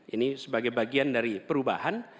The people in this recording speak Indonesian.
ini sebagai bagian dari perubahan